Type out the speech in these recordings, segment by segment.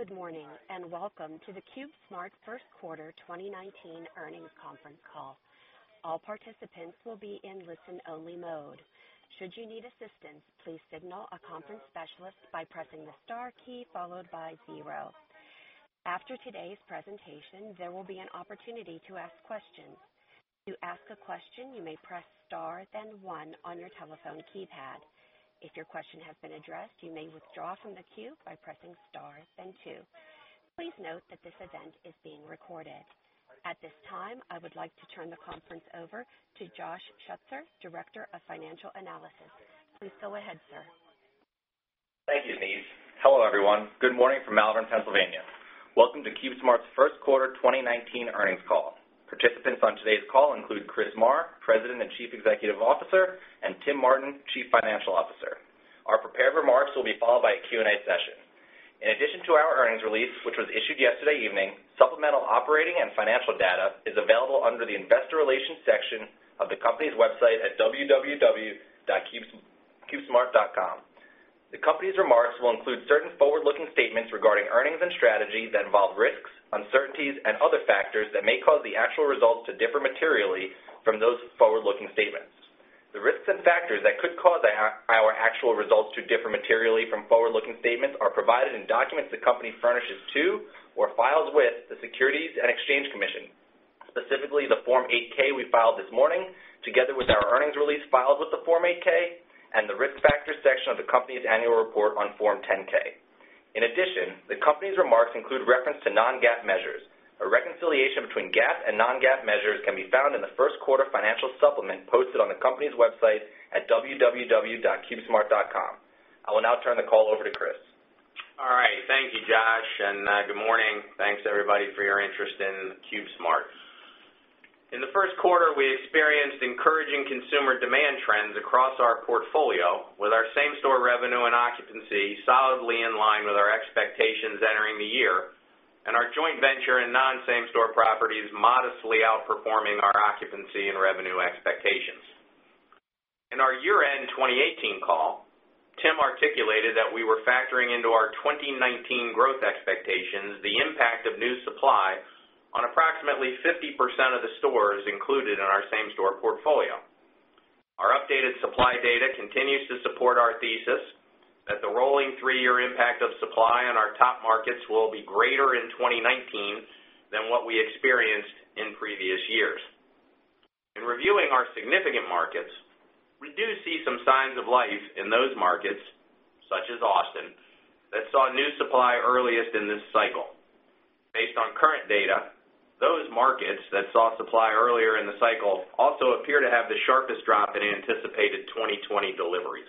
Good morning. Welcome to the CubeSmart first quarter 2019 earnings conference call. All participants will be in listen-only mode. Should you need assistance, please signal a conference specialist by pressing the star key followed by 0. After today's presentation, there will be an opportunity to ask questions. To ask a question, you may press star then 1 on your telephone keypad. If your question has been addressed, you may withdraw from the queue by pressing star then 2. Please note that this event is being recorded. At this time, I would like to turn the conference over to Josh Schutzer, Director of Financial Analysis. Please go ahead, sir. Thank you, Denise. Hello, everyone. Good morning from Malvern, Pennsylvania. Welcome to CubeSmart's first quarter 2019 earnings call. Participants on today's call include Chris Marr, President and Chief Executive Officer, and Tim Martin, Chief Financial Officer. Our prepared remarks will be followed by a Q&A session. In addition to our earnings release, which was issued yesterday evening, supplemental operating and financial data is available under the investor relations section of the company's website at www.cubesmart.com. The company's remarks will include certain forward-looking statements regarding earnings and strategies that involve risks, uncertainties, and other factors that may cause the actual results to differ materially from those forward-looking statements. The risks and factors that could cause our actual results to differ materially from forward-looking statements are provided in documents the company furnishes to or files with the Securities and Exchange Commission, specifically the Form 8-K we filed this morning, together with our earnings release filed with the Form 8-K, and the Risk Factors section of the company's annual report on Form 10-K. The company's remarks include reference to non-GAAP measures. A reconciliation between GAAP and non-GAAP measures can be found in the first quarter financial supplement posted on the company's website at www.cubesmart.com. I will now turn the call over to Chris. All right. Thank you, Josh. Good morning. Thanks everybody for your interest in CubeSmart. In the first quarter, we experienced encouraging consumer demand trends across our portfolio with our same-store revenue and occupancy solidly in line with our expectations entering the year, and our joint venture in non-same store properties modestly outperforming our occupancy and revenue expectations. In our year-end 2018 call, Tim articulated that we were factoring into our 2019 growth expectations the impact of new supply on approximately 50% of the stores included in our same-store portfolio. Our updated supply data continues to support our thesis that the rolling three-year impact of supply on our top markets will be greater in 2019 than what we experienced in previous years. In reviewing our significant markets, we do see some signs of life in those markets, such as Austin, that saw new supply earliest in this cycle. Based on current data, those markets that saw supply earlier in the cycle also appear to have the sharpest drop in anticipated 2020 deliveries.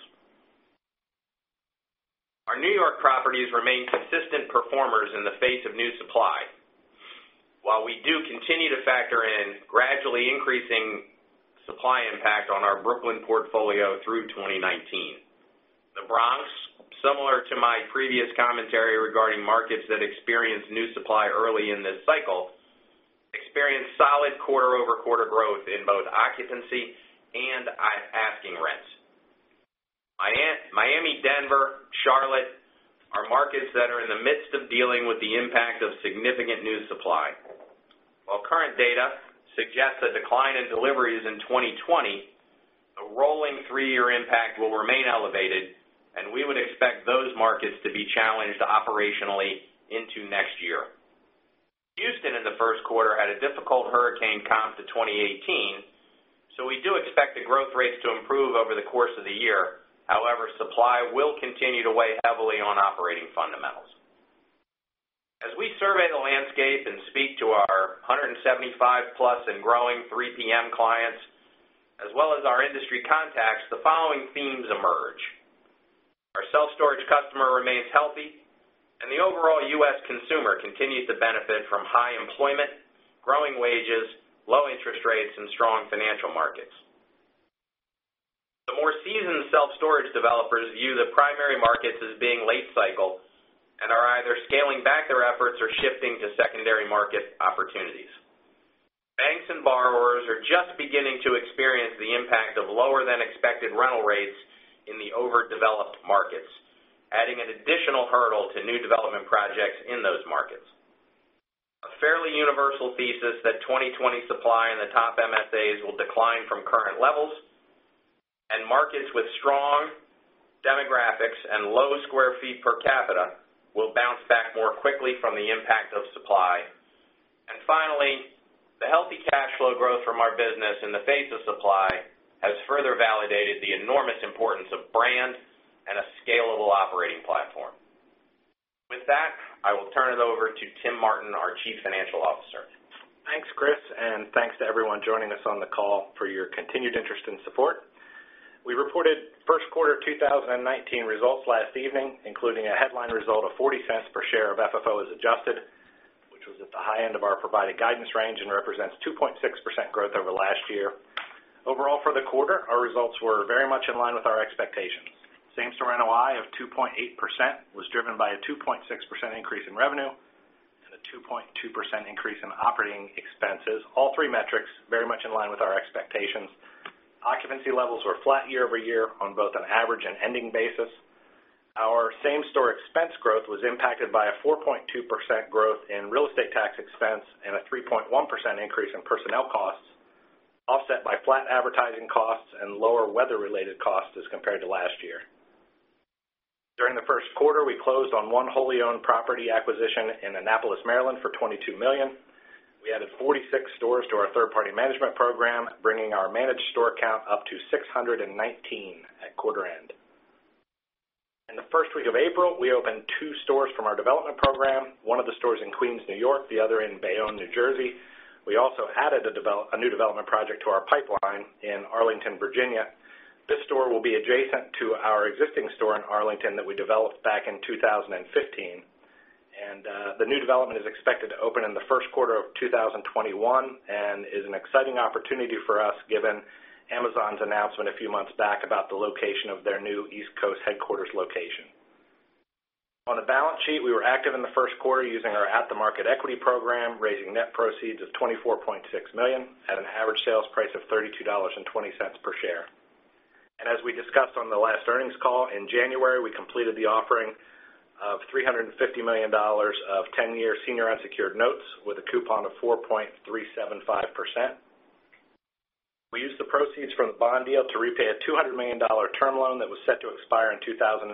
Our New York properties remain consistent performers in the face of new supply, while we do continue to factor in gradually increasing supply impact on our Brooklyn portfolio through 2019. The Bronx, similar to my previous commentary regarding markets that experienced new supply early in this cycle, experienced solid quarter-over-quarter growth in both occupancy and asking rents. Miami, Denver, Charlotte are markets that are in the midst of dealing with the impact of significant new supply. While current data suggests a decline in deliveries in 2020, the rolling three-year impact will remain elevated, and we would expect those markets to be challenged operationally into next year. Houston in the first quarter had a difficult hurricane comp to 2018. We do expect the growth rates to improve over the course of the year. However, supply will continue to weigh heavily on operating fundamentals. As we survey the landscape and speak to our 175 plus and growing 3PM clients, as well as our industry contacts, the following themes emerge. Our self-storage customer remains healthy, and the overall U.S. consumer continues to benefit from high employment, growing wages, low interest rates, and strong financial markets. The more seasoned self-storage developers view the primary markets as being late cycle and are either scaling back their efforts or shifting to secondary market opportunities. Banks and borrowers are just beginning to experience the impact of lower-than-expected rental rates in the overdeveloped markets, adding an additional hurdle to new development projects in those markets. A fairly universal thesis that 2020 supply in the top MSAs will decline from current levels, and markets with strong demographics and low square feet per capita will bounce back more quickly from the impact of supply. Finally, the healthy cash flow growth from our business in the face of supply has further validated the enormous importance of brand and a scalable operating platform. With that, I will turn it over to Tim Martin, our Chief Financial Officer. Thanks, Chris, and thanks to everyone joining us on the call for your continued interest and support. We reported first quarter 2019 results last evening, including a headline result of $0.40 per share of FFO as adjusted, which was at the high end of our provided guidance range and represents 2.6% growth over last year. Overall for the quarter, our results were very much in line with our expectations. Same-store NOI of 2.8% was driven by a 2.6% increase in revenue 2.2% increase in operating expenses. All three metrics very much in line with our expectations. Occupancy levels were flat year-over-year on both an average and ending basis. Our same-store expense growth was impacted by a 4.2% growth in real estate tax expense and a 3.1% increase in personnel costs, offset by flat advertising costs and lower weather-related costs as compared to last year. During the first quarter, we closed on one wholly-owned property acquisition in Annapolis, Maryland for $22 million. We added 46 stores to our third-party management program, bringing our managed store count up to 619 at quarter end. In the first week of April, we opened two stores from our development program, one of the stores in Queens, New York, the other in Bayonne, New Jersey. We also added a new development project to our pipeline in Arlington, Virginia. This store will be adjacent to our existing store in Arlington that we developed back in 2015. The new development is expected to open in the first quarter of 2021 and is an exciting opportunity for us given Amazon's announcement a few months back about the location of their new East Coast headquarters location. On the balance sheet, we were active in the first quarter using our at-the-market equity program, raising net proceeds of $24.6 million at an average sales price of $32.20 per share. As we discussed on the last earnings call, in January, we completed the offering of $350 million of 10-year senior unsecured notes with a coupon of 4.375%. We used the proceeds from the bond deal to repay a $200 million term loan that was set to expire in 2019,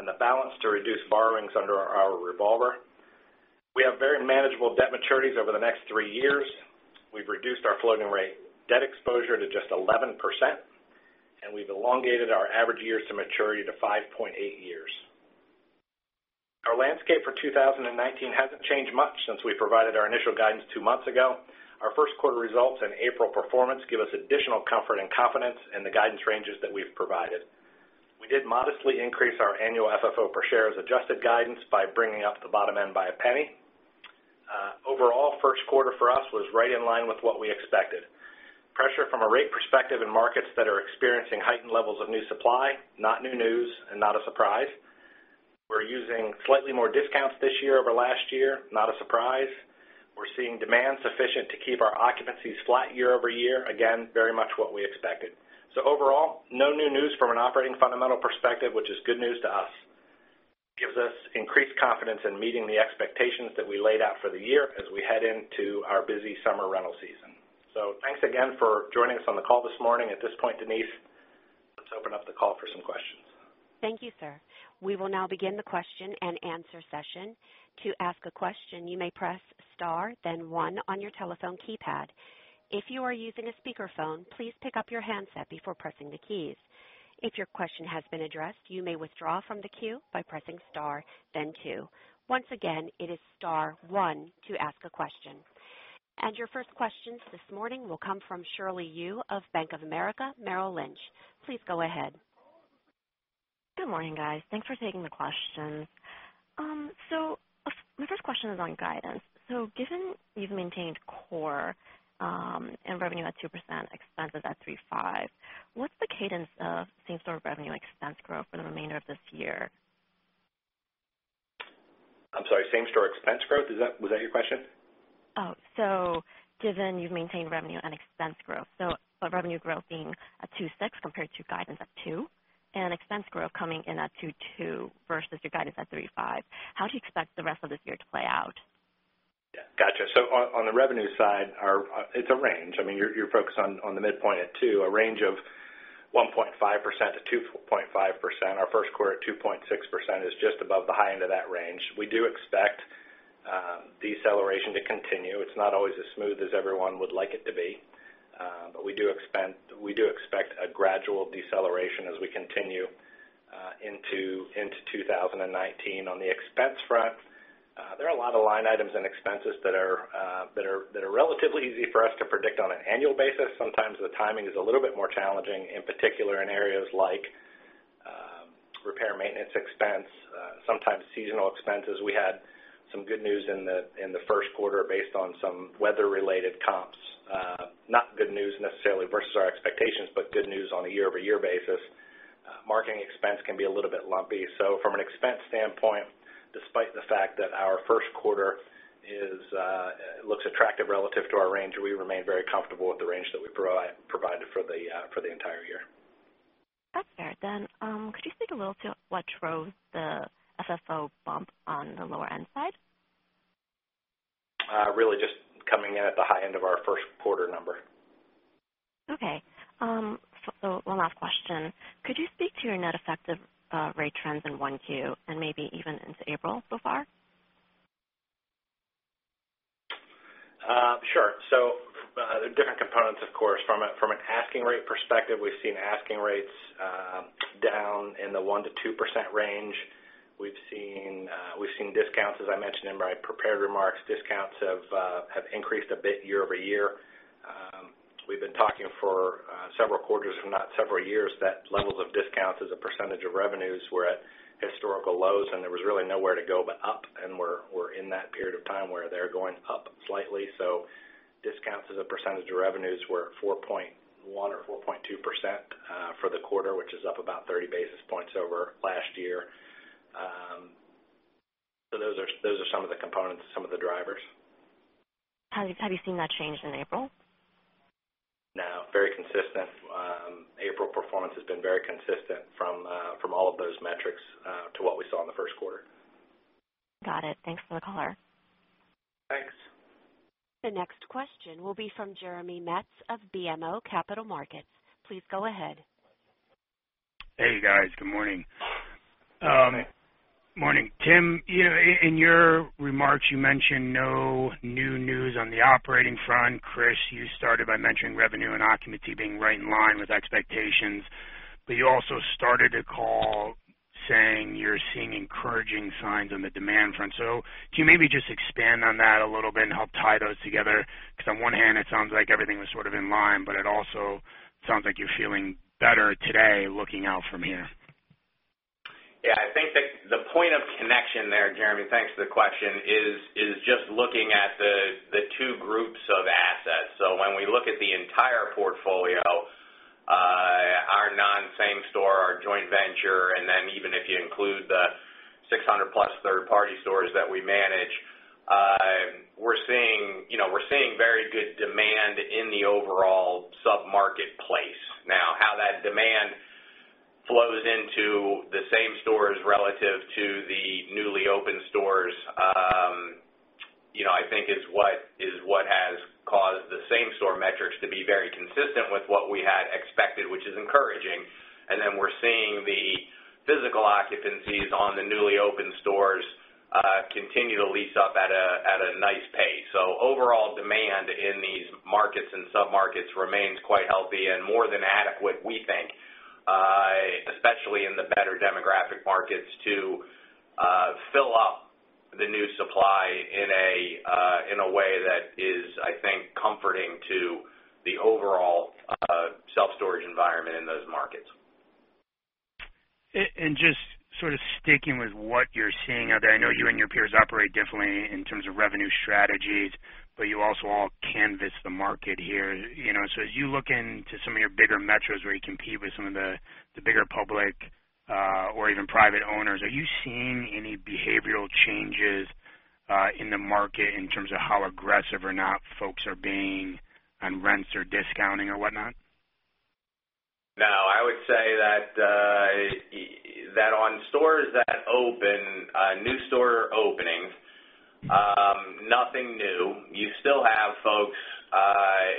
and the balance to reduce borrowings under our revolver. We have very manageable debt maturities over the next three years. We've reduced our floating rate debt exposure to just 11%, and we've elongated our average years to maturity to 5.8 years. Our landscape for 2019 hasn't changed much since we provided our initial guidance two months ago. Our first quarter results and April performance give us additional comfort and confidence in the guidance ranges that we've provided. We did modestly increase our annual FFO per share's adjusted guidance by bringing up the bottom end by $0.01. Overall, first quarter for us was right in line with what we expected. Pressure from a rate perspective in markets that are experiencing heightened levels of new supply, not new news and not a surprise. We're using slightly more discounts this year over last year, not a surprise. We're seeing demand sufficient to keep our occupancies flat year-over-year. Again, very much what we expected. Overall, no new news from an operating fundamental perspective, which is good news to us. Gives us increased confidence in meeting the expectations that we laid out for the year as we head into our busy summer rental season. Thanks again for joining us on the call this morning. At this point, Denise, let's open up the call for some questions. Thank you, sir. We will now begin the question and answer session. To ask a question, you may press star then one on your telephone keypad. If you are using a speakerphone, please pick up your handset before pressing the keys. If your question has been addressed, you may withdraw from the queue by pressing star then two. Once again, it is star one to ask a question. Your first questions this morning will come from Shirley Yu of Bank of America Merrill Lynch. Please go ahead. Good morning, guys. Thanks for taking the questions. My first question is on guidance. Given you've maintained core and revenue at 2%, expenses at 3.5%, what's the cadence of same-store revenue expense growth for the remainder of this year? I'm sorry, same-store expense growth? Was that your question? Given you've maintained revenue and expense growth, revenue growth being at 2.6% compared to guidance at 2%, and expense growth coming in at 2.2% versus your guidance at 3.5%. How do you expect the rest of this year to play out? Yeah, gotcha. On the revenue side, it's a range. You're focused on the midpoint at two, a range of 1.5%-2.5%. Our first quarter at 2.6% is just above the high end of that range. We do expect deceleration to continue. It's not always as smooth as everyone would like it to be. We do expect a gradual deceleration as we continue into 2019. On the expense front, there are a lot of line items and expenses that are relatively easy for us to predict on an annual basis. Sometimes the timing is a little bit more challenging, in particular in areas like repair maintenance expense, sometimes seasonal expenses. We had some good news in the first quarter based on some weather-related comps. Not good news necessarily versus our expectations, but good news on a year-over-year basis. Marketing expense can be a little bit lumpy. From an expense standpoint, despite the fact that our first quarter looks attractive relative to our range, we remain very comfortable with the range that we provided for the entire year. That's fair. Could you speak a little to what drove the FFO bump on the lower end side? Really just coming in at the high end of our first quarter number. Okay. One last question. Could you speak to your net effective rate trends in 1Q and maybe even into April so far? Sure. Different components, of course. From an asking rate perspective, we've seen asking rates down in the 1%-2% range. We've seen discounts, as I mentioned in my prepared remarks. Discounts have increased a bit year-over-year. We've been talking for several quarters, if not several years, that levels of discounts as a percentage of revenues were at historical lows, and there was really nowhere to go but up, and we're in that period of time. They're going up slightly. Discounts as a percentage of revenues were 4.1% or 4.2% for the quarter, which is up about 30 basis points over last year. Those are some of the components, some of the drivers. Have you seen that change in April? No, very consistent. April performance has been very consistent from all of those metrics to what we saw in the first quarter. Got it. Thanks for the color. Thanks. The next question will be from Jeremy Metz of BMO Capital Markets. Please go ahead. Hey, guys. Good morning. Morning. Tim, in your remarks, you mentioned no new news on the operating front. Chris, you started by mentioning revenue and occupancy being right in line with expectations. You also started the call saying you're seeing encouraging signs on the demand front. Can you maybe just expand on that a little bit and help tie those together? On one hand, it sounds like everything was sort of in line, but it also sounds like you're feeling better today looking out from here. I think that the point of connection there, Jeremy, thanks for the question, is just looking at the two groups of assets. When we look at the entire portfolio, our non-same-store, our joint venture, and then even if you include the 600-plus third-party stores that we manage, we're seeing very good demand in the overall sub-marketplace. Now, how that demand flows into the same-store relative to the newly opened stores, I think is what has caused the same-store metrics to be very consistent with what we had expected, which is encouraging. Then we're seeing the physical occupancies on the newly opened stores continue to lease up at a nice pace. Overall demand in these markets and sub-markets remains quite healthy and more than adequate, we think, especially in the better demographic markets to fill up the new supply in a way that is, I think, comforting to the overall self-storage environment in those markets. Just sort of sticking with what you're seeing out there. I know you and your peers operate differently in terms of revenue strategies, but you also all canvass the market here. As you look into some of your bigger metros where you compete with some of the bigger public or even private owners, are you seeing any behavioral changes in the market in terms of how aggressive or not folks are being on rents or discounting or whatnot? No, I would say that on stores that open, new store openings, nothing new. You still have folks,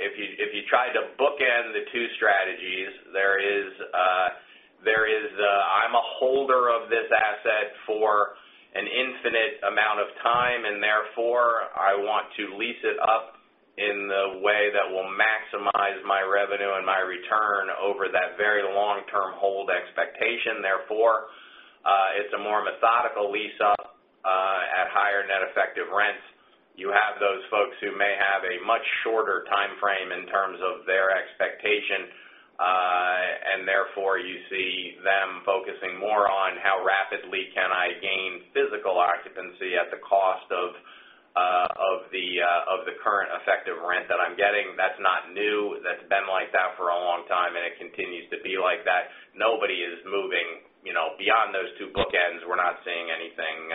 if you try to bookend the two strategies, there is, I'm a holder of this asset for an infinite amount of time. Therefore, I want to lease it up in the way that will maximize my revenue and my return over that very long-term hold expectation. Therefore, it's a more methodical lease-up at higher net effective rents. You have those folks who may have a much shorter timeframe in terms of their expectation. Therefore you see them focusing more on how rapidly can I gain physical occupancy at the cost of the current effective rent that I'm getting. That's not new. That's been like that for a long time. It continues to be like that. Nobody is moving beyond those two bookends. We're not seeing anything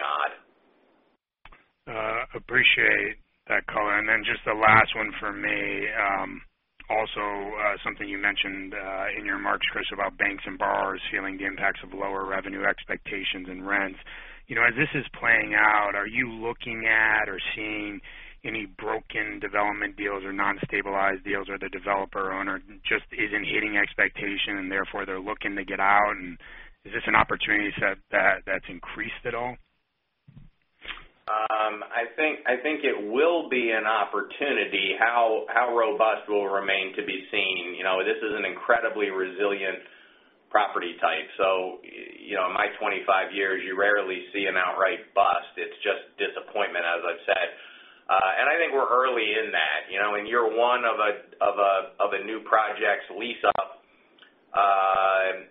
odd. Appreciate that color. Just the last one for me, also something you mentioned in your remarks, Chris, about banks and borrowers feeling the impacts of lower revenue expectations and rents. As this is playing out, are you looking at or seeing any broken development deals or non-stabilized deals or the developer owner just isn't hitting expectation and therefore they're looking to get out? Is this an opportunity set that's increased at all? I think it will be an opportunity. How robust will remain to be seen. This is an incredibly resilient property type. In my 25 years, you rarely see an outright bust. It's just disappointment, as I've said. I think we're early in that. In year one of a new project's lease-up,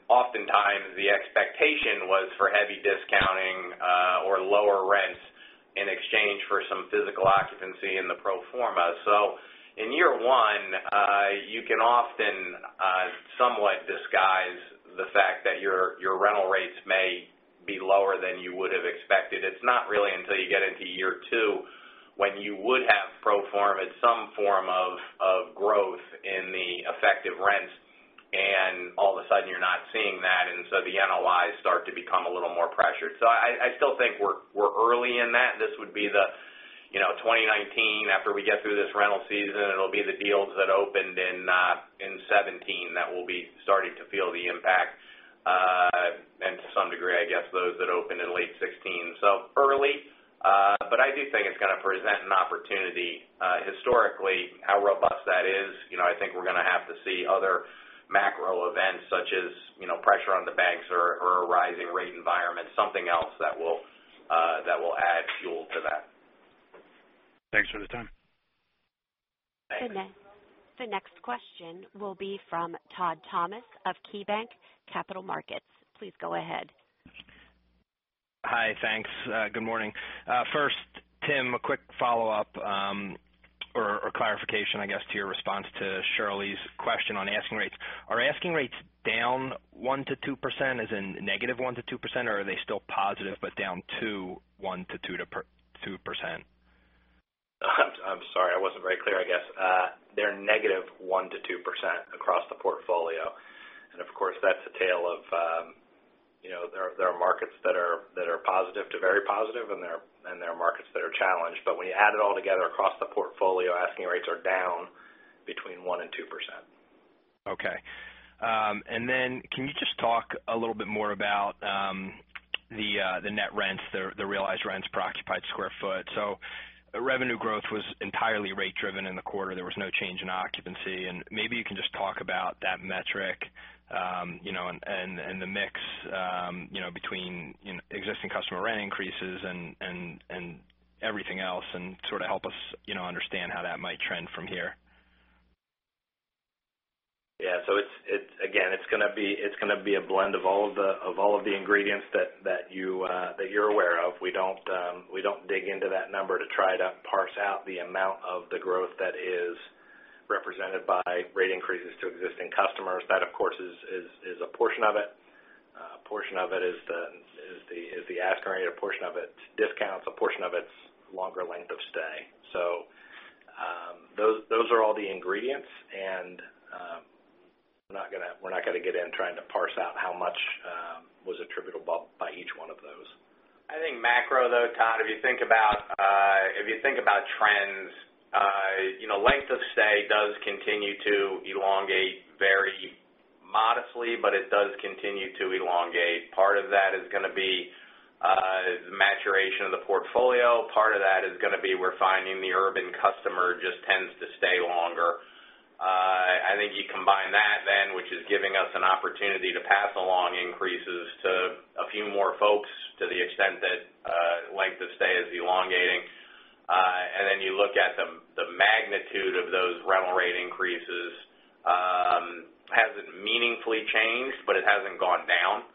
oftentimes the expectation was for heavy discounting or lower rents in exchange for some physical occupancy in the pro forma. In year one, you can often somewhat disguise the fact that your rental rates may be lower than you would have expected. It's not really until you get into year two when you would have pro forma some form of growth in the effective rents, all of a sudden you're not seeing that, the NOI start to become a little more pressured. I still think we're early in that. This would be the 2019. After we get through this rental season, it'll be the deals that opened in 2017 that will be starting to feel the impact, and to some degree, I guess, those that opened in late 2016. Early, but I do think it's going to present an opportunity. Historically, how robust that is, I think we're going to have to see other macro events such as pressure on the banks or a rising rate environment, something else that will add fuel to that. The next question will be from Todd Thomas of KeyBanc Capital Markets. Please go ahead. Hi. Thanks. Good morning. First, Tim, a quick follow-up or clarification, I guess, to your response to Shirley's question on asking rates. Are asking rates down 1%-2% as in negative 1%-2%, or are they still positive, but down 2%, 1%-2%? I'm sorry, I wasn't very clear, I guess. They're negative 1%-2% across the portfolio. Of course, that's a tale of There are markets that are positive to very positive, and there are markets that are challenged. When you add it all together across the portfolio, asking rates are down between 1% and 2%. Okay. Can you just talk a little bit more about the net rents, the realized rents per occupied square foot? Revenue growth was entirely rate driven in the quarter. There was no change in occupancy, and maybe you can just talk about that metric, and the mix between existing customer rent increases and everything else, and sort of help us understand how that might trend from here. Yeah. Again, it's going to be a blend of all of the ingredients that you're aware of. We don't dig into that number to try to parse out the amount of the growth that is represented by rate increases to existing customers. That, of course, is a portion of it. A portion of it is the ask rate, a portion of it's discounts, a portion of it's longer length of stay. Those are all the ingredients, and we're not gonna get in trying to parse out how much was attributable by each one of those. I think macro though, Todd, if you think about trends, length of stay does continue to elongate very modestly, but it does continue to elongate. Part of that is gonna be maturation of the portfolio, part of that is gonna be we're finding the urban customer just tends to stay longer. I think you combine that then, which is giving us an opportunity to pass along increases to a few more folks to the extent that length of stay is elongating. You look at the magnitude of those rental rate increases hasn't meaningfully changed, but it hasn't gone down.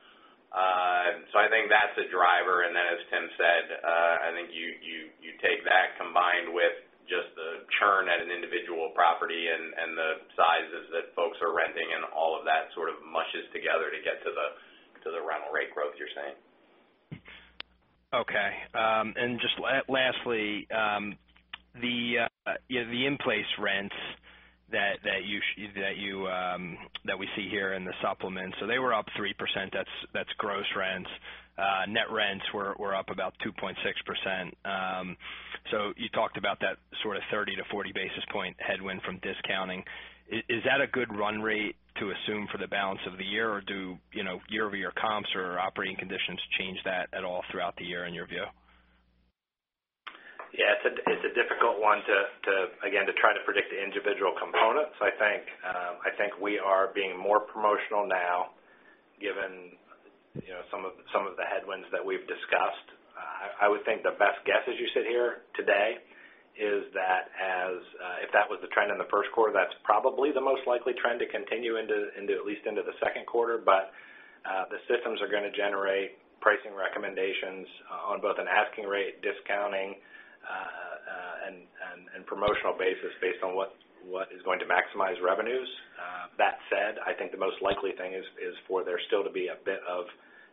I think that's a driver, and then as Tim said, I think you take that combined with just the churn at an individual property and the sizes that folks are renting and all of that sort of mushes together to get to the rental rate growth you're seeing. Okay. Just lastly, the in-place rents that we see here in the supplement, they were up 30%, that's gross rents. Net rents were up about 2.6%. You talked about that sort of 30-40 basis point headwind from discounting. Is that a good run rate to assume for the balance of the year, or do year-over-year comps or operating conditions change that at all throughout the year in your view? Yeah, it's a difficult one, again, to try to predict the individual components. I think we are being more promotional now given some of the headwinds that we've discussed. I would think the best guess as you sit here today is that if that was the trend in the first quarter, that's probably the most likely trend to continue at least into the second quarter. The systems are gonna generate pricing recommendations on both an asking rate, discounting, and promotional basis based on what is going to maximize revenues. That said, I think the most likely thing is for there still to be a bit of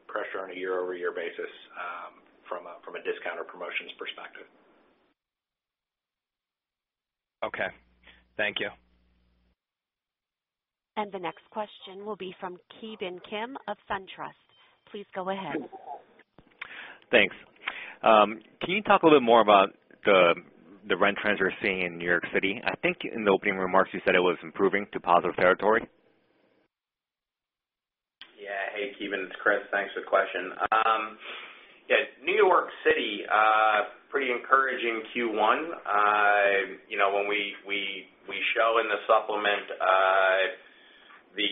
pressure on a year-over-year basis from a discount or promotions perspective. Okay. Thank you. The next question will be from Ki Bin Kim of SunTrust. Please go ahead. Thanks. Can you talk a little bit more about the rent trends you're seeing in New York City? I think in the opening remarks, you said it was improving to positive territory. Hey, Ki Bin, it's Chris. Thanks for the question. New York City, pretty encouraging Q1. When we show in the supplement the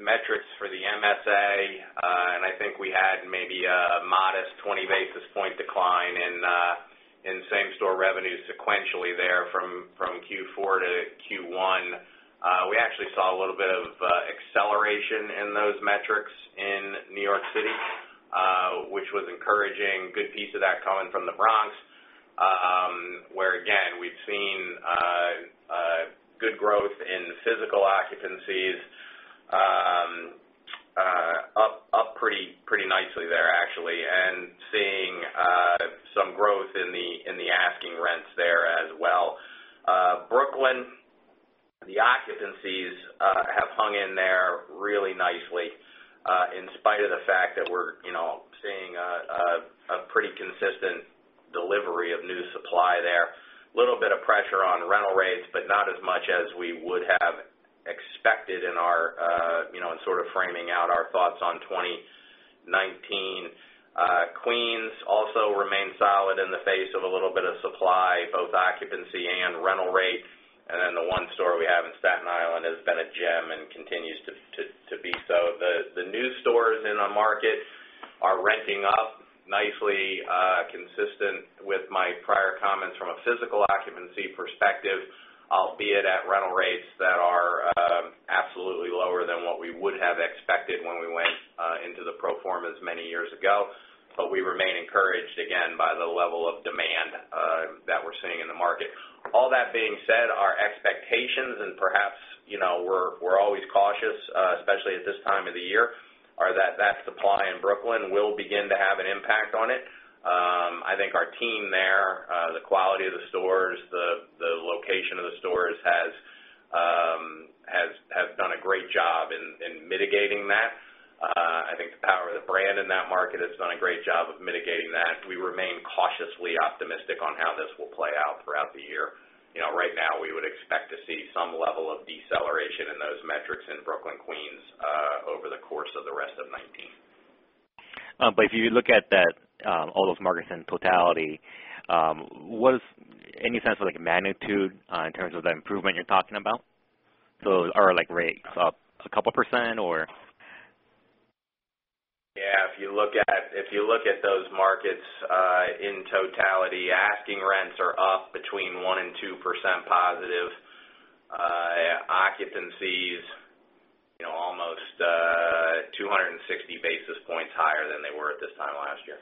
metrics for the MSA, I think we had maybe a modest 20 basis points decline in same-store revenues sequentially there from Q4 to Q1. We actually saw a little bit of acceleration in those metrics in New York City, which was encouraging. Good piece of that coming from the Bronx, where again, we've seen good growth in physical occupancies, up pretty nicely there actually, and seeing some growth in the asking rents there as well. Brooklyn, the occupancies have hung in there really nicely in spite of the fact that we're seeing a pretty consistent delivery of new supply there. Little bit of pressure on rental rates, but not as much as we would have expected in sort of framing out our thoughts on 2019. Queens also remained solid in the face of a little bit of supply, both occupancy and rental rates. Then the one store we have in Staten Island has been a gem and continues to be so. The new stores in our market are renting up nicely, consistent with my prior comments from a physical occupancy perspective, albeit at rental rates that are absolutely lower than what we would have expected when we went into the pro formas many years ago. We remain encouraged, again, by the level of demand that we're seeing in the market. All that being said, our expectations, and perhaps, we're always cautious, especially at this time of the year, are that that supply in Brooklyn will begin to have an impact on it. I think our team there, the quality of the stores, the location of the stores has done a great job in mitigating that. I think the power of the brand in that market has done a great job of mitigating that. We remain cautiously optimistic on how this will play out throughout the year. Right now, we would expect to see some level of deceleration in those metrics in Brooklyn, Queens, over the course of the rest of 2019. If you look at all those markets in totality, was any sense of magnitude in terms of the improvement you're talking about? Are rates up a couple %, or? Yeah, if you look at those markets, in totality, asking rents are up between 1% and 2% positive. Occupancies, almost 260 basis points higher than they were at this time last year.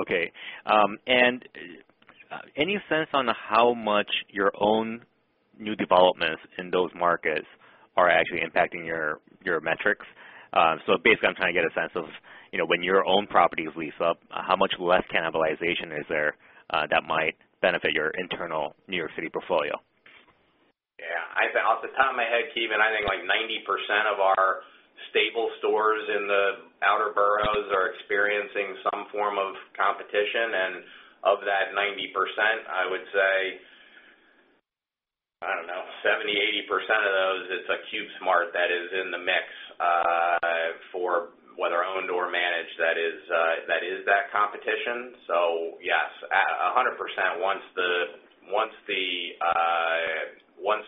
Okay. Any sense on how much your own new developments in those markets are actually impacting your metrics? Basically, I'm trying to get a sense of when your own properties lease up, how much less cannibalization is there that might benefit your internal New York City portfolio? Yeah. Off the top of my head, Ki Bin, I think 90% of our staple stores in the outer boroughs are experiencing some form of competition, and of that 90%, I would say, I don't know, 70%-80% of those, it's a CubeSmart that is in the mix, for whether owned or managed, that is that competition. Yes, 100% once the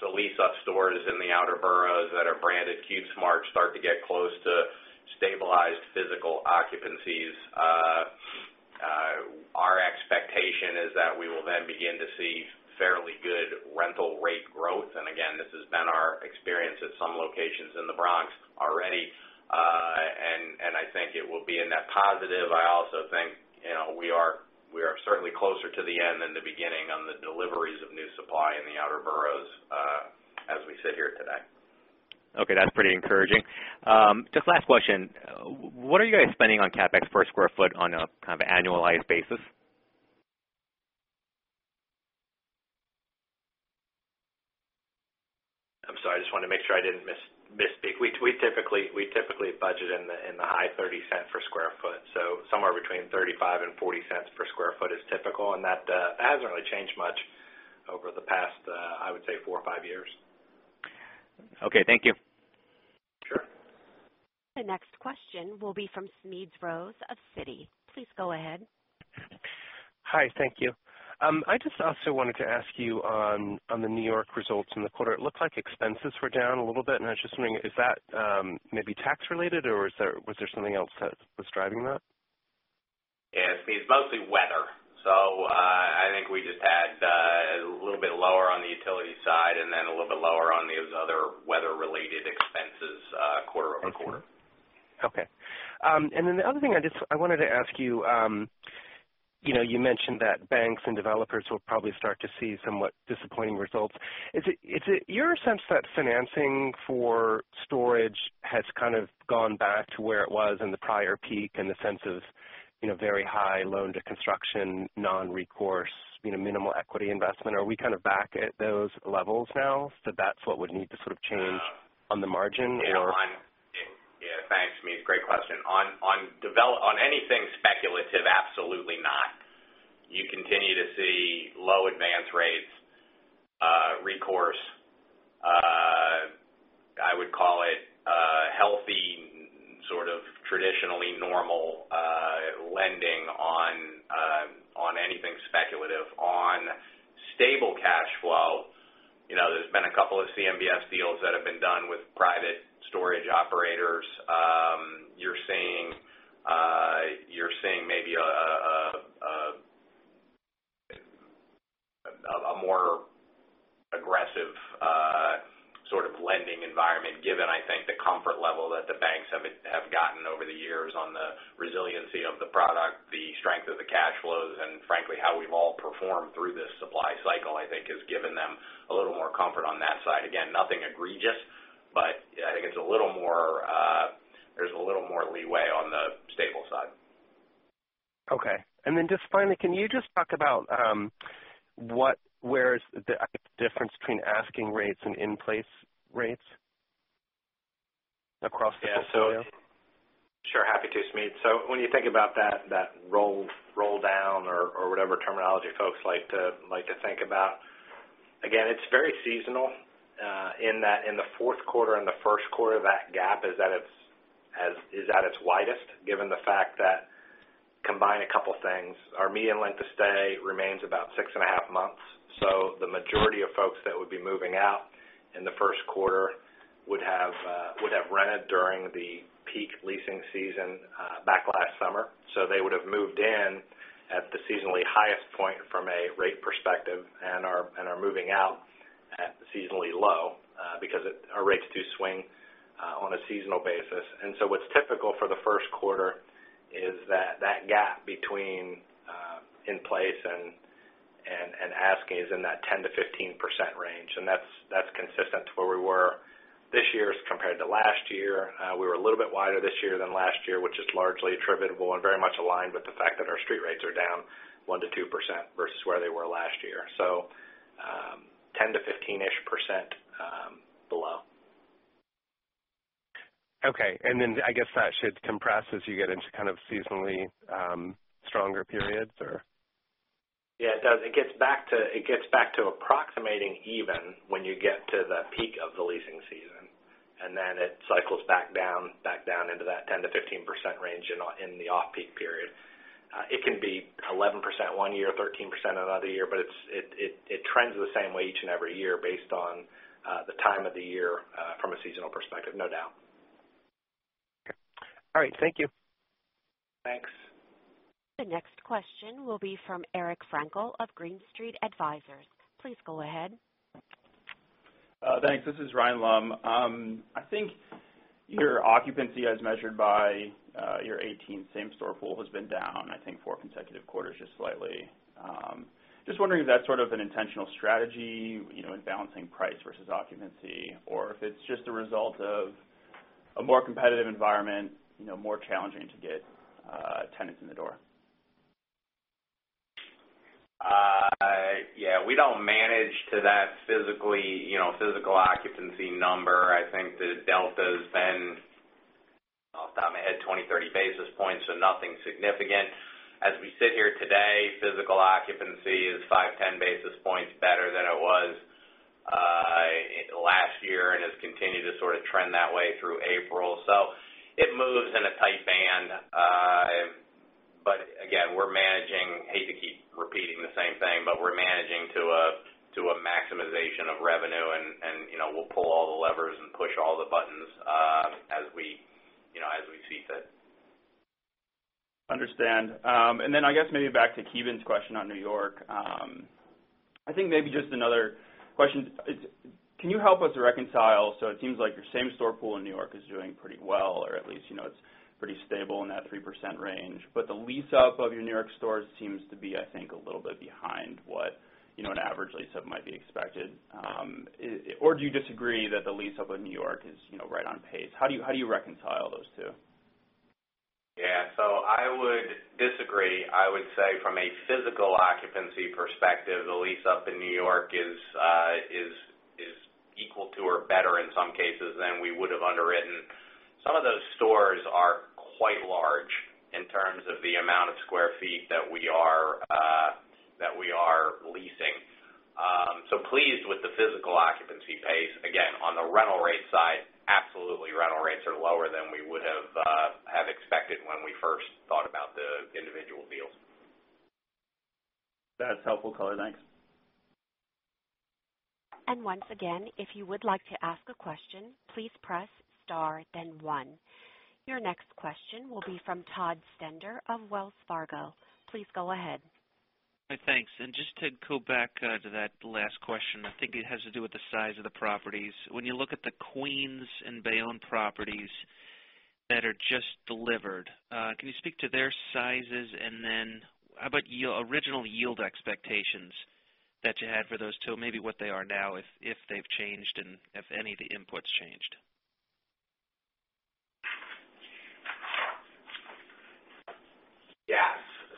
lease-up stores in the outer boroughs that are branded CubeSmart start to get close to stabilized physical occupancies, our expectation is that we will then begin to see fairly good rental rate growth. Again, this has been our experience at some locations in the Bronx already. I think it will be a net positive. I also think we are certainly closer to the end than the beginning on the deliveries of new supply in the outer boroughs as we sit here today. Okay. That's pretty encouraging. Just last question. What are you guys spending on CapEx per square foot on a kind of annualized basis? I'm sorry, I just wanted to make sure I didn't misspeak. We typically budget in the high $0.30 per square foot. Somewhere between $0.35 and $0.40 per square foot is typical, and that hasn't really changed much over the past, I would say, four or five years. Okay. Thank you. Sure. The next question will be from Smedes Rose of Citi. Please go ahead. Hi. Thank you. I just also wanted to ask you on the N.Y. results in the quarter, it looked like expenses were down a little bit, and I was just wondering, is that maybe tax-related, or was there something else that was driving that? Yeah, Smedes. It's mostly weather. I think we just had a little bit lower on the utility side and then a little bit lower on the other weather-related expenses quarter-over-quarter. Okay. The other thing I wanted to ask you mentioned that banks and developers will probably start to see somewhat disappointing results. Is it your sense that financing for storage has kind of gone back to where it was in the prior peak, in the sense of very high loan-to-construction, non-recourse, minimal equity investment? Are we kind of back at those levels now that that's what would need to sort of change on the margin or? Thanks, Smedes. Great question. On anything speculative, absolutely not. You continue to see low advance rates, recourse, I would call it a healthy, sort of traditionally normal lending on anything speculative. On stable cash flow, there's been a 2 of CMBS deals that have been done with private storage operators. You're seeing maybe a more aggressive sort of lending environment, given, I think, the comfort level that the banks have gotten over the years on the resiliency of the product, the strength of the cash flows, and frankly, how we've all performed through this supply cycle, I think has given them a little more comfort on that side. Nothing egregious, but I think there's a little more leeway on the stable side. Just finally, can you just talk about where is the difference between asking rates and in-place rates across the portfolio? Sure. Happy to, Smedes. When you think about that roll down or whatever terminology folks like to think about, again, it's very seasonal, in that in the fourth quarter and the first quarter, that gap is at its widest, given the fact that Combine a 2 things. Our median length of stay remains about 6.5 months. The majority of folks that would be moving out in the first quarter would have rented during the peak leasing season back last summer. They would've moved in at the seasonally highest point from a rate perspective and are moving out at seasonally low, because our rates do swing on a seasonal basis. What's typical for the first quarter is that gap between in-place and asking is in that 10%-15% range, and that's consistent to where we were this year compared to last year. We were a little bit wider this year than last year, which is largely attributable and very much aligned with the fact that our street rates are down 1%-2% versus where they were last year. 10%-15-ish% below. Okay, then I guess that should compress as you get into seasonally stronger periods, or Yeah, it does. It gets back to approximating even when you get to the peak of the leasing season, then it cycles back down into that 10%-15% range in the off-peak period. It can be 11% one year, 13% another year, but it trends the same way each and every year based on the time of the year from a seasonal perspective, no doubt. Okay. All right. Thank you. Thanks. The next question will be from Eric Frankel of Green Street Advisors. Please go ahead. Thanks. This is Ryan Lumb. I think your occupancy as measured by your 2018 same-store pool has been down, I think four consecutive quarters just slightly. Just wondering if that's sort of an intentional strategy in balancing price versus occupancy, or if it's just a result of a more competitive environment, more challenging to get tenants in the door. Yeah. We don't manage to that physical occupancy number. I think the delta's been off the top of my head 20, 30 basis points, nothing significant. As we sit here today, physical occupancy is five, 10 basis points better than it was last year and has continued to sort of trend that way through April. It moves in a tight band. Again, we're managing, hate to keep repeating the same thing, but we're managing to a maximization of revenue, and we'll pull all the levers and push all the buttons as we see fit. Understand. Then I guess maybe back to Ki Bin's question on New York. I think maybe just another question. Can you help us reconcile, it seems like your same-store pool in New York is doing pretty well, or at least it's pretty stable in that 3% range, the lease-up of your New York stores seems to be, I think, a little bit behind what an average lease-up might be expected. Do you disagree that the lease-up of New York is right on pace? How do you reconcile those two? Yeah. I would disagree. I would say from a physical occupancy perspective, the lease-up in New York is equal to or better in some cases than we would've underwritten. Some of those stores are quite large in terms of the amount of square feet that we are leasing. Pleased with the physical occupancy pace. Again, on the rental rate side, absolutely rental rates are lower than we would have expected when we first thought about the individual deals. That's helpful color. Thanks. Once again, if you would like to ask a question, please press star then one. Your next question will be from Todd Stender of Wells Fargo. Please go ahead. Thanks. Just to go back to that last question, I think it has to do with the size of the properties. When you look at the Queens and Bayonne properties that are just delivered, can you speak to their sizes? How about original yield expectations that you had for those two, maybe what they are now, if they've changed and if any of the inputs changed?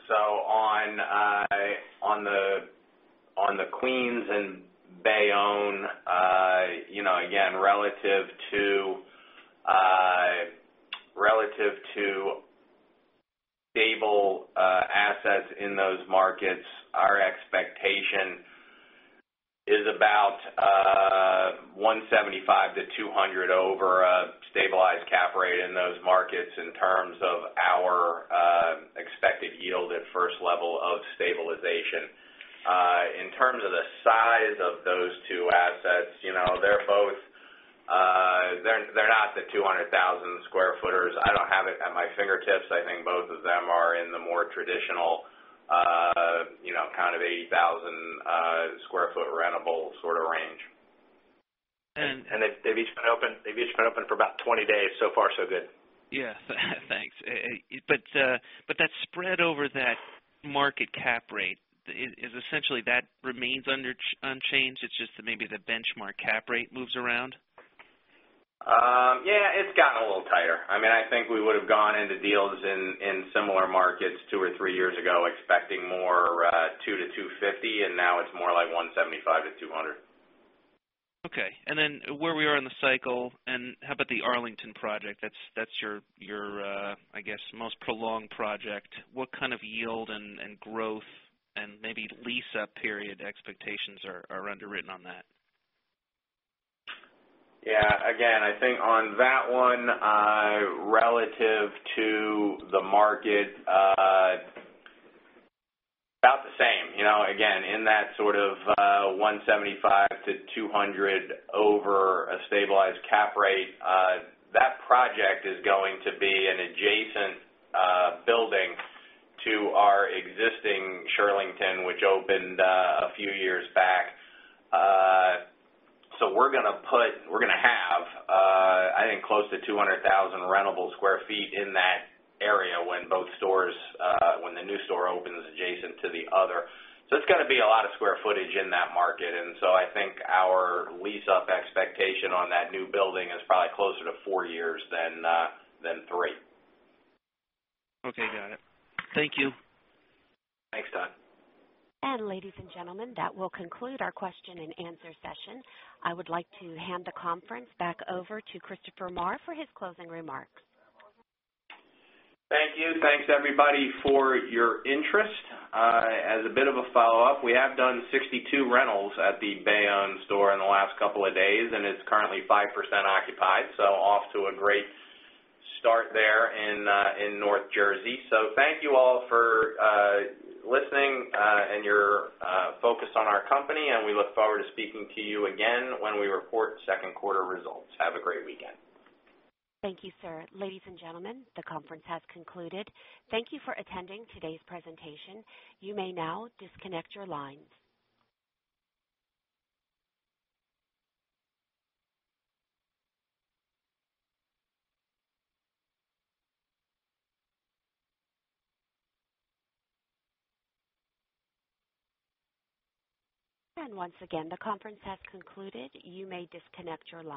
Yes. On the Queens and Bayonne, again, relative to stable assets in those markets, our expectation is about 175-200 over a stabilized cap rate in those markets in terms of our expected yield at first level of stabilization. In terms of the size of those two assets, they're not the 200,000 square footers. I don't have it at my fingertips. I think both of them are in the more traditional kind of 80,000 sq ft rentable sort of range. They've each been open for about 20 days. So far, so good. Yeah. Thanks. That spread over that market cap rate, essentially, that remains unchanged. It's just that maybe the benchmark cap rate moves around? Yeah, it's gotten a little tighter. I think we would've gone into deals in similar markets two or three years ago expecting more 200 to 250. Now it's more like 175 to 200. Okay. Where we are in the cycle, how about the Arlington project? That's your, I guess, most prolonged project. What kind of yield and growth and maybe lease-up period expectations are underwritten on that? Yeah. Again, I think on that one, relative to the market, about the same. Again, in that sort of 175 to 200 over a stabilized cap rate, that project is going to be an adjacent building to our existing Shirlington, which opened a few years back. We're going to have, I think, close to 200,000 rentable sq ft in that area when the new store opens adjacent to the other. It's going to be a lot of square footage in that market. I think our lease-up expectation on that new building is probably closer to four years than three. Okay. Got it. Thank you. Thanks, Todd. Ladies and gentlemen, that will conclude our question and answer session. I would like to hand the conference back over to Chris Marr for his closing remarks. Thank you. Thanks everybody for your interest. As a bit of a follow-up, we have done 62 rentals at the Bayonne store in the last couple of days, and it's currently 5% occupied. Off to a great start there in North Jersey. Thank you all for listening and your focus on our company, and we look forward to speaking to you again when we report second quarter results. Have a great weekend. Thank you, sir. Ladies and gentlemen, the conference has concluded. Thank you for attending today's presentation. You may now disconnect your lines. Once again, the conference has concluded. You may disconnect your lines.